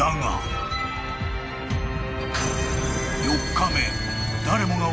［４日目］